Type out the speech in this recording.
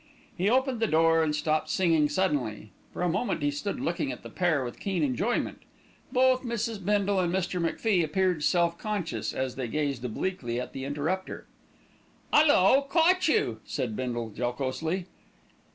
He opened the door and stopped singing suddenly. For a moment he stood looking at the pair with keen enjoyment. Both Mrs. Bindle and Mr. MacFie appeared self conscious, as they gazed obliquely at the interrupter. "'Ullo, caught you," said Bindle jocosely.